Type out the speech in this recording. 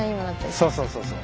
そうそうそうそう。